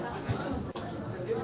dan hanya hanya